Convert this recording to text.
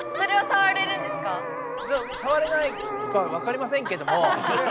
さわれないかわかりませんけども。